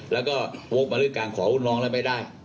แล้วเอามาเร็วขอวู้น้องและไม่ได้